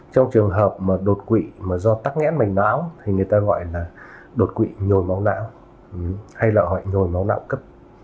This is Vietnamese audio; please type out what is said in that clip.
trong trường hợp đột quỵ do tắc nghẽn mạch não thì người ta gọi là đột quỵ nhồi máu não hay là họ nhồi máu não cấp